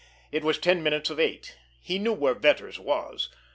It was ten minutes of eight. He knew where Vetter's was.